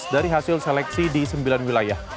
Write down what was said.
dari hasil seleksi di sembilan wilayah